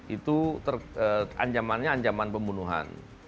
itu anjamannya anjaman pembunuhan